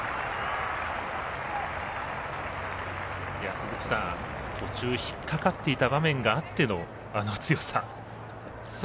鈴木さん、途中引っ掛かっていた場面があってのあの強さ。